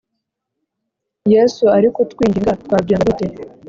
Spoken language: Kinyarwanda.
Yesu ari kutwinginga, twabyanga dute?